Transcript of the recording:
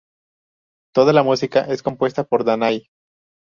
Toda la música es compuesta por Danai.